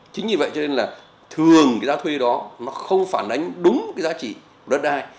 chính vì vậy cho nên là thường cái giá thuê đó nó không phản ánh đúng cái giá trị của đất đai